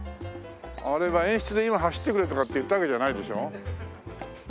あれは演出で「今走ってくれ」とかって言ったわけじゃないでしょ？